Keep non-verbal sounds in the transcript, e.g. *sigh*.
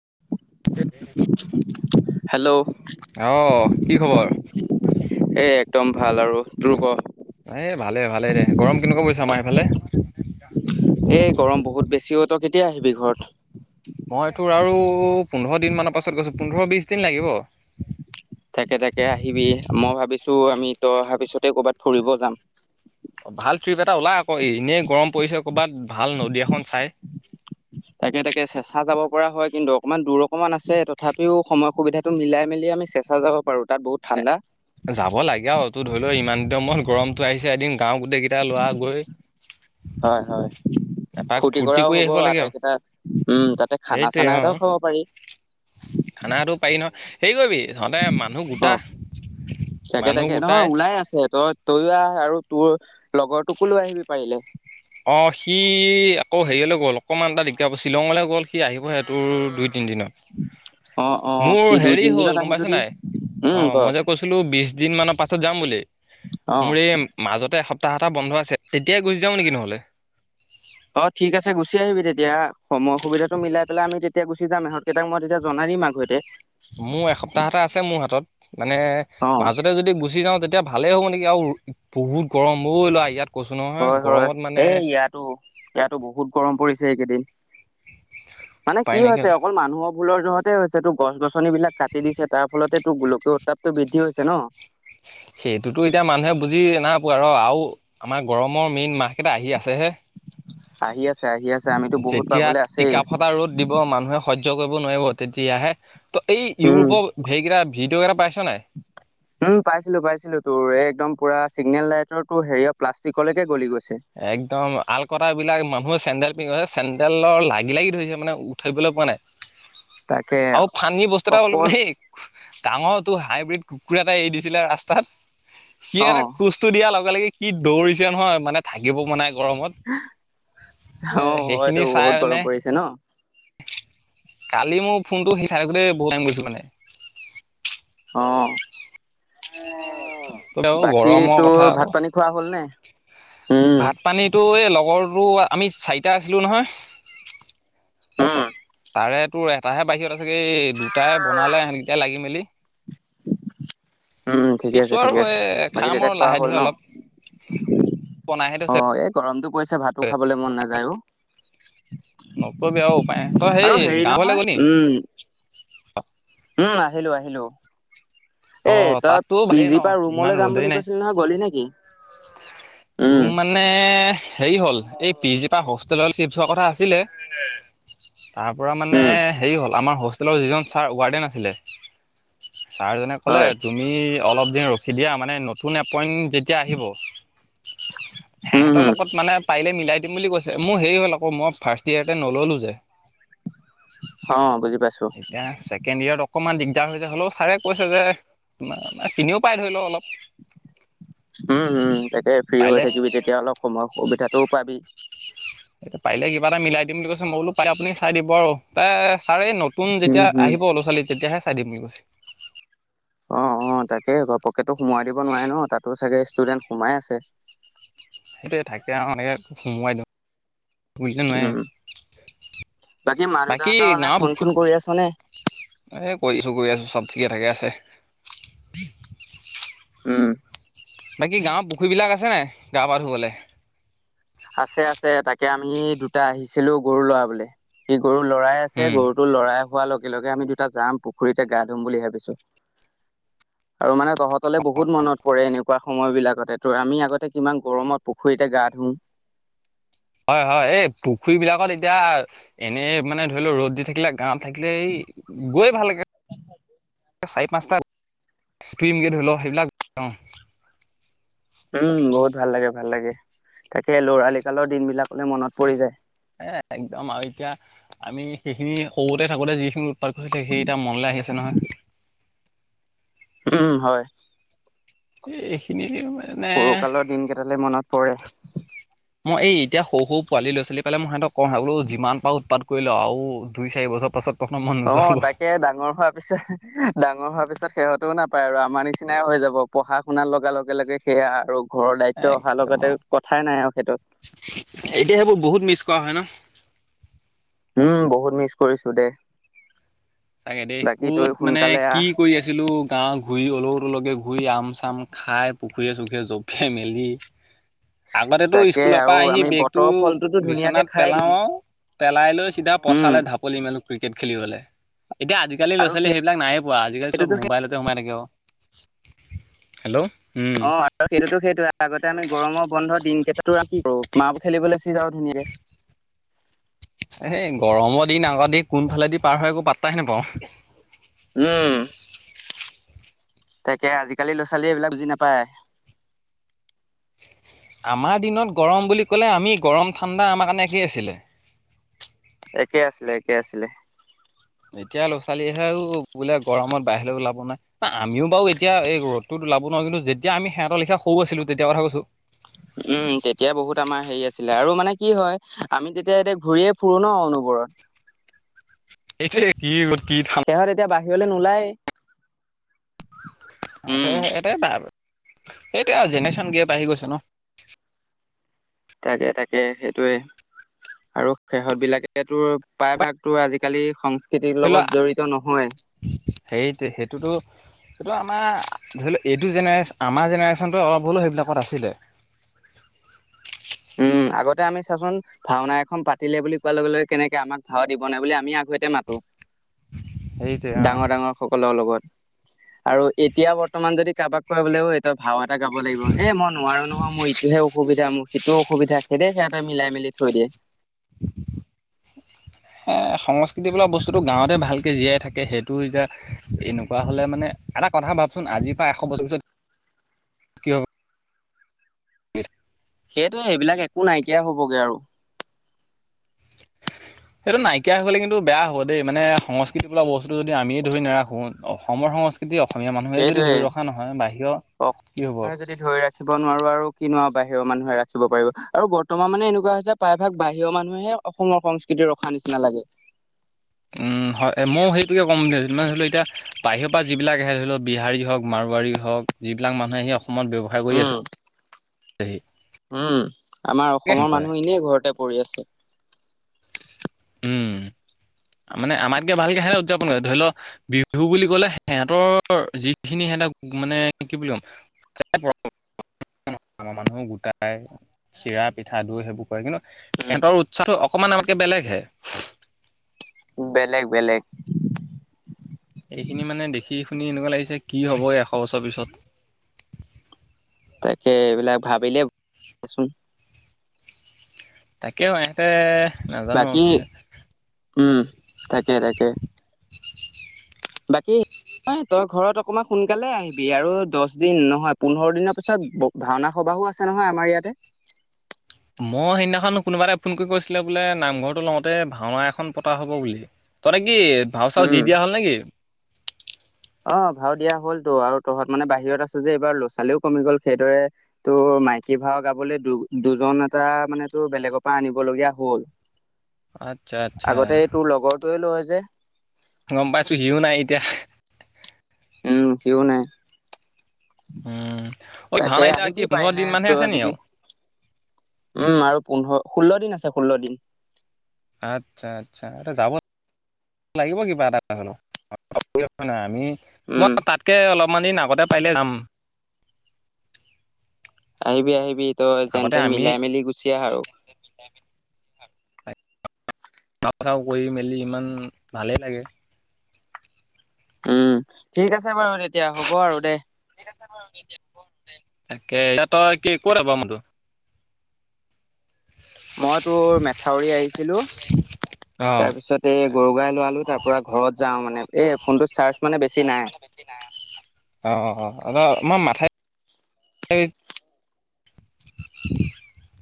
*inaudible* Hello অ', কি খবৰ? এ একদম ভাল আৰু। তোৰ ক? এ ভালে। ভালে দে। গৰম কেনেকুৱা পৰিছে আমাৰ এইফালে? এ গৰম বহুত বেছি অ। ' তই কেতিয়া আহিবি ঘৰত? মই তোৰ আৰু পোন্ধৰ দিন মানৰ পাছত গৈছো পোন্ধৰ বিশ দিন লাগিব। তাকে তাকে আহিবি, মই ভাবিছো আমি তই অহাৰ পিছতে কৰ'বাত ফুৰিব যাম অ, এনেই গৰম পৰিছে কৰ'বাত ভাল নদী এখন চাই তাকে তাকে চেঁচা যাব পৰা হয় কিন্তু অকণমান দূৰ অকণমান আছে তথাপিও সময় সুবিধাটো মিলাই মেলি আমি চেচা যাব পাৰোঁ। এ যাব লাগে আৰু তোৰ ধৰি ল' ইমান দিনৰ মুৰত গৰম আহিছে এদিন গাঁও গোটেই কেইটা লোৱা গৈ হয় হয় এপাক ফূৰ্তি কৰাও কৰি হ'ব আহিব লাগে আৰু আটাইকেইটা উম, তাতে খানা চানা এটাও খাব পাৰি। খানাাটো পাৰি ন' হেৰি কৰিবি তহঁতে মানুহ ক। গোটা তাকে। মানুহ তাকে। গোটাই নহয়, ওলাই আছে। তই, তয়ো আহ আৰু তোৰ, লগৰটোকো লৈ আহিবি পাৰিলে! অ', সি আকৌ হেৰিয়লৈ গ'ল। অকণমান এটা দিগদাৰ হব। শ্বিলঙলৈ গ'ল সি, আহিবহে তোৰ দুই- তিন দিনত অ অ মোৰ সি দুই হেৰি হ'ল। তিনদিনত গম আহে পাইছ নে যদি নাই? উম অ'হ। ক মই যে কৈছিলো বিশ দিন মানৰ পা ছত যাম বুলি। অ মোৰ এই মাজতে এসপ্তাহ এটা বন্ধ আছে, তেতিয়াই গুচি যাও নেকি নহলে ভালে অ ঠিক আছে গুচি আহিবি তেতিয়া সময় সুবিধাাতটো মিলাই পেলাই আম তেতিয়া গুচি যাম। ইহঁতকেইটাক মই তেতিয়া জনাই দিম আগতে মোৰ এসপ্তাহ এটা আছে, মোৰ হাতত। মানে অ মাজতে যদি গুচি যাওঁ তেতিয়া এতিয়া ভালেই হ'ব নেকি আৰু, বহুত গৰম অ' ল'ৰা ইয়াত কৈছো নহয় হয়। হয়। গৰমত মানে এই ইয়াতো- ইয়াতো বহুত গৰম পৰিছে এইকেইদিন মানে উপায় কি নাইকিয়া হৈছে অকল মানুহৰ ভুলৰ জহতে হৈছে তো। গছ গছনি বিলাক কাটি দিছে তাৰ ফলতে তোৰ গোলকীয় উত্তাপটো বৃদ্ধি হৈছে ন! সেইটোতো এতিয়া মানুহে বুজি নাই পোৱা। ৰহ। আৰু আমাৰ গৰমৰ মেইন মাহ কেইটা আহি আছেহে আহি আছে। আহি আছে আমিতো বহুত যেতিয়া পাবলৈ আছেই টিকা ফটা ৰ'দ দিব মানুহে সৰ্য্য কৰিব নোৱাৰিব। তেতিয়াহে! ত' এই উম ইউৰোপৰ হেৰি কেটা ভিডিও' কেইটা পাইছনে? উম। পাইছিলো। পাইছিলো। তোৰ এই একদম পুৰা চিগনেল লাইটৰটো হেৰিয় প্লাষ্টিকলৈকে গলি গৈছে। একদম। আল- কটৰা বিলাক মানুহ চেণ্ডেল পিন্ধছে। চেণ্ডেলৰ লাগি- লাগি ধৰিছে মানে, উঠাবলৈ পোৱা নাই। তাকে আৰু ফানী বস্তু এটা *unintelligible* ল অকল নেই ডাঙৰ তো হাইব্ৰীড কুকুৰ এৰি দিছিলে ৰাস্তাত, সি অ এনে খোজটো দিয়া লগে -লগে কি দৌৰিছে নহয়, মানে থাকিব পৰা নাই গৰমত। অ এ হয়তো সেইখিনি চাই বহুত গৰম মানে পৰিছে ন কালি মোৰ ফোনটো সি চাই থাকোতে বহুত টাইম গৈছো মানে অহ। বাকী গৰমৰ তোৰ কথা আকৌ ভাত- পানী খোৱা হ'ল নে নাই? ভাত পানী তোৰ এই লগৰটো। আমি চাৰিটা আছিলোঁ নহয়। হম। তাৰে তোৰ এটাহে বাহিৰত আছেগে। এই দুটাই বনালে, এনকেইটাই লাগি মেলি উম। ঠিকে আছো আছে। আৰু ঠিকে এ আছে। বাকী খাম তেতিয়া আৰু খোৱা লাহে হ'ল ধীৰে ন? অলপ বনাইহে থৈছে অ। এই গৰমতটো পৰিছে, ভাতো খাবলৈ মন নাযায় অ'। নকবি আৰু। উপায় নাই। তই আৰু সেই হেৰি গাঁও ঘৰলে নহয় গ'লি? উম উম। আহিলো। আহিলো। অ এ তই তাতো পি ভালেই ন জি পৰা ইমান ৰুমলৈ যাম ৰ'দেই বুলি নাই কৈছিলি নহয়, গলি নেকি? উম ৰুম মানে হেৰি হ'ল, এই পিজিপা হোষ্টেলত চিফট হোৱাৰ কথা আছিলে। তাৰ পৰা মানে উম হেৰি হ'ল, আমাৰ হো হোষ্টেলৰ যিজন ছাৰ ৱাৰ্ডেন আছিলে, ছাৰজনে ক'লে, হয় তুমি অলপ দিন ৰখি দিয়া মানে নতুন এপইন্ট যেতিয়া আহিব *inaudible* সেহেঁতৰ লগত মানে পাৰিলে মিলাই দিম বুলি কৈছে। মোৰ হেৰি হ'ল আকৌ, মই ফাৰ্ষ্ট ইয়েৰতে নল'লো যে। অহ। বুজি পা এতিয়া ছেকেণ্ড ইয়েৰত অক অকমান দিগদাৰ হৈ যায়, হ'লেও ছাৰে কৈছে যে! চিনিও পাই ধৰি লও অলপ। উম। উম। তাকে ফ্ৰী হৈ পাৰিলে থাকিবি, তেতিয়া অলপ সময় সুবিধাটোও পাবি। এতিয়া পাৰিলে কিবা এটা মিলাই দিম বুলি কৈছে, মই বুলো, পাৰিলে আপুনি চাই দিব আৰু। ছাৰে এই নতুন উম যেতিয়া হম আহিব, ল'ৰা- ছোৱালী। তেতিয়াহে চাই দিম বুলি কৈছে। অ'। অ'। তাকে ঘপকেটো সোমোৱাই দিব নোৱাৰে ন! তাতো চাগে ষ্টুডেণ্ট সোমাই আছে। সেইটোৱে। থাকে আৰু এনেকে সোমোৱাই দিওঁ। *unintelligible* লে নোৱাৱে উম মা বাকী দেউতাহঁতলে গাঁৱ ফোন পু চোন কৰি আছ নে? এ কৰিছো। কৰি আছো। চব ঠিকে থাকে আছে। উম। বাকী গাঁৱত পুখুৰীবিলাক আছে নাই, গা-পা ধুবলে? আছে। আছে। তাকে আমি দুটা আহিছিলো গৰু লৰাবলে। সি গৰু লৰাই আছে, উম গৰুটো লৰাই হোৱাৰ লগে -লগে আমি দুটা যাম, পুখুৰীতে গা ধুম বুলি ভাবিছো। আৰু মানে তহঁতলে বহুত মনত পৰে এনে -কুৱা সময় বিলাকতে তোৰ, আমি আগতে কিমান গৰমত পুখুৰীতে গা ধুওঁ। হয়। হয়। এই পুখুৰী বিলাকত এতিয়া, এনে মানে ধৰি ল ৰ'দ দি থাকিলে গাঁৱত থাকিলে, এই গৈ ভাল লাগে চাৰি -পাঁচটা টীমকে ধৰি লও, সেইবিলাক অহ। উম। বহুত ভাল লাগে। ভাল লাগে। তাকে লৰালি কালৰ দিনবিলাকলে মনত পৰি যায়। এ একদম আৰু এতিয়া, আমি সেইখিনি সৰুতে থাকোতে যিখিনি উৎপাত কৰিলে, সেই এতিয়া মনলে আহি আছে নহয়। উম। হয়। এই এইখিনি মানে সৰুকালৰ দিনকেইটালে মনত পৰে। মই, এই এতিয়া সৰু -সৰু পোৱালী ল-ছোৱালী পালে, মই সিহতক কওঁহে- বোলো যিমান পাৰ উৎপাত কৰি লৱ আৰু দুই -চাৰি বছৰ পাছত তহঁতৰ মন নোযোৱা অ' হ'ব তাকে ডাঙৰ হোৱা পিছত, ডাঙৰ হোৱা পিছত তাৰ পিছত সিহঁতেও নাপায় আৰু, আমাৰ নিচিনাইও হৈ যাব। পঢ়া- শুনাৰ লগাৰ লগে লগে সেয়া আৰু ঘৰৰ দায়িত্ব অহাৰ একদম লগতে, আৰু কথাই নাই আৰু সেইটো। এতিয়া সেইবোৰ বহুত মিছ কৰা হয় ন উম। বহুত মিচ কৰিছো দে। সচাকে দেই। বাকী তই ক'ত মানে সোনকালে আহ কি কৰি আছিলো, গাৱ ঘূৰি অলৌ- তলৌকে ঘূৰি ঘূৰি আম- চাম খাই, পুখুৰীয়ে চুখুৰীয়ে জপিয়াই মেলি আগতেটো তাকে স্কুলৰ আৰু পৰা আহি আমি বেগটো বতৰৰ ফলটোতো ধুনীয়াকে বিচনাত খাই পেলাও দিওঁ আও পেলাই লৈ চিধা উম, পথাৰলে ঢাপলি মেলো, ক্ৰিকেট খেলিবলে। এতিয়া আজিকালি আৰু ল'-ছোৱালী সেই সেইবিলাক নাইয়ে পোৱা, আজিকালি চব সেইটোতো সেই মোবাইলতে সোমাই থাকে অ'। অ'। আৰু সেইটোতো সেইটোয়ে, আগতে আমি গৰমৰ বন্ধ দিনকেইটাত তোৰ কি কৰো, মা *unintelligible* খেলিবলে যাও। গুচি যাও ধুনীয়াকে। এই গৰমৰ দিন আগত দি, কোনফালেদি পাৰ হয় একো পাৰ হয় একো পাত্তাই নাপাওঁ। উম। তাকে আজিকালি ল'-ছালীয়ে এইবিলাক বুজি নাপায়। আমাৰ দিনত গৰম বুলি ক'লে, আমি গৰম -ঠাণ্ডা আমাৰ কাৰণে একেই আছিলে। একে আছিলে একে আছিলে এতিয়া ল'ৰা ছোৱালীহেও বোলে গৰমত বাহিৰে ওলাব নাই ন আমিও বাৰু এতিয়া এই ৰ'দতটো ওলাব নোৱাৰো কিন্তু যেতিয়া আমি সিহঁতৰ লেখীয়া সৰু আছিলো তেতিয়া কথা কৈছো। উম তেতিয়া বহুত আমাৰ হেৰি আছিলে আৰু মানে কি হয় আমি তেতিয়া এতিয়া ঘূৰিয়ে ফুৰো ন অনবৰ হয় *unintelligible* কি গ সিহঁত এতিয়া বাহিৰলৈ নোলায় ইতে উম, সেইটোয়ে আৰু জেনেৰেশ্যন গেপ আহি গৈছ ন তাকে তাকে সেইটোৱে আৰু শেহত বিলাকে তো প্ৰায়ভাগতো আজিকালি *inaudible* খেতিৰ ধৰি লোৱা লগত জড়িত নহয়। সেই সেইটোতো সেইটো আমাৰ, ধৰি লওক- এইটো জেনেৰেশ্যন আমাৰ জেনেৰেশ্যনটো অলপ হ'লেও সেইবিলাকত আছিলে। *inaudible* উম, আগতে আমি চাচোন, ভাওনা এখন পাতিলে বুলি কোৱাৰ লগে- লগে, কেনেকে আমাক ভাও দিব নে বুলি আমি আগতে মাতো। সেইটোৱে অ' ডাঙৰ- ডাঙৰ সকলৰ লগত। আৰু এতিয়া বৰ্তমান যদি কাৰোবাক কয় বোলে, অই তই ভাও এটা গাব লাগিব। এ মই নোৱাৰোঁ নহয়, মোৰ ইটোহে অসুবিধা, মোৰ সিটোও অসুবিধা। সেইটে- সিহঁতে মিলাই মেলি থৈ দিয়ে। এ সংস্কৃতি বোলা বস্তুটো গাঁৱতে ভালকে জীয়াই থাকে, সেইটো যে এনেকুৱা হলে মানে এটা কথা ভাবচোন, আজিৰ পৰা এশ বছৰ পিছত *unintelligible* কিয় ব *inaudible* সেইটোৱে এইবিলাক একো নাইকিয়া হবগে আৰু সেইটো নাইকিয়া হৈ গলে কিন্তু বেয়া হ'ব দেই মানে সংস্কৃতি বোল বস্তু যদি আমিয়ে ধৰি নাৰাখো অসমৰ সংস্কৃতি অসমীয়া মানুহে যদি সেইটোৱে ধৰি ৰখা নহয় বাহিৰৰ কি হ'ব অসমে যদি ধৰি ৰাখিব নোৱাৰো আৰু কিনো বাহিৰৰ মানুহে ৰাখিব পাৰিব আৰু বৰ্তমান মানে এনেকুৱা হৈছে যে প্ৰায় ভাগ বাহিৰৰ মানুহেহে অসমৰ সংস্কৃতিৰ ৰখা ন *unintelligible* নালাগে উম হয় মই সেইটোকে ক'ম মানে ধৰি লও এতিয়া বাহিৰৰ পৰা যিবিলাক আহে ধৰি লও বিহাৰী হওক মাৰু *unintelligible* হওক যিবিলাক মানুহে সি অসমত ব্যৱসায় কৰি উম, আছে উম আমাৰ অসমৰ কৰে মানুহ এনেই ঘৰতে পৰি আছে উম মানে আমাতকে ভালকে সিহঁতে উদযাপন কৰে ধৰি লও বিহু বুলি ক'লে সিহঁতৰ যিখিনি সিহ *unintelligible* মানে কি বুলি ক'ম *unintelligible* আমাৰ মানুহ গোটাই চিৰা পিঠা দৈ সেইবোৰ কৰে কি ন উম, সিহঁতৰ উৎসাহটো অকমান এনেকে বেলেগহে বেলেগ বেলেগ এইখিনি মানে দেখি শুনি এনেকুৱা লাগিছে কি হব এই এশ বছৰ পিছত তাকে এইবিলাক ভাবিলেচোন তাকে হয় নাজানো বাকী কি উম, তাকে তাকে বাকী ন তই ঘৰত অকণমান সোনকালে আহিবি আৰু দহ দিন নহয় পোন্ধৰ দিনৰ পিছত ভাওনা খ বাহু আছে নহয় আমাৰ ইয়াতে মই সেইদিনাখন কোনোবা এটা ফোন কৰি কৈছিলে বোলে নামঘৰটো লওঁতে ভাওনা এখন পতা হব বুলি তই ত কি ভাও চাও উম। দি দিয়া হ'ল নেকি অ ভাও দিয়া হলতো আৰু তহত মানে বাহিৰত আছো যে এইবাৰ ল'ৰা ছোৱালীও কমি গ'ল সেইদৰে তোৰ মাই ৰাতি ভাও *unintelligible* গাবলৈ দু দুজন এটা মানো বেলেগৰ পৰা আনিব লগীয়া হল। আচ্ছা আচ্ছা আগতে তোৰ লগৰটোৱে লয় যে গম পাইছো সিও নাই এতিয়া উম সিও নাই। উম ঐ তাকে ভাওনা এতিয়া কি আহিবি পোন্ধৰ পাৰিলে দিন মানহে তই আছে নি যদি আৰু উম আৰু পোন্ধৰ ষোল্ল দিন আছে ষোল্ল দিন। আচ্ছা আচ্ছা এটা যাব লাগিব কিবা এটা হলেও নাই আমি মই উম তাতকে অলপমান দিন আগতে পাৰলে যাম। আহিবি আহিবি তই যেন আগতে তেন আমি মিলাই মেলি গুচি আহা আৰু। খাওঁ চাও কৰি মেলি ইমান ভালেই লাগে। উম ঠিক আছে বাৰু তেতিয়া হ'ব আৰু দে তাকে এতিয়া তই কি কত ব ম তু *unintelligible* মই তোৰ মেথাউৰি আহিছিলো। অ', তাৰ পিছত এই গৰু গাই লোৱালো তাৰ পৰা ঘৰত যাওঁ মানে এই ফোনটো চাৰ্জ মানে বেছি নাই অ অঁ মমাৰ মাথাই উ